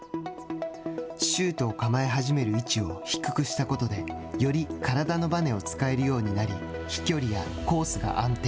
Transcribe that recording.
シュートを構え始める位置を低くしたことでより体のばねを使えるようになり飛距離やコースが安定。